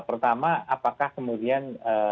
pertama apakah kemudian